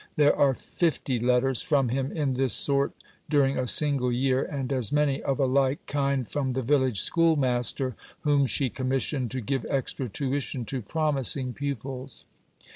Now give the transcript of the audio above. There are fifty letters from him in this sort during a single year, and as many of a like kind from the village schoolmaster, whom she commissioned to give extra tuition to promising pupils.